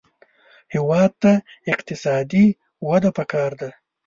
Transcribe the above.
هېواد ته اقتصادي وده پکار ده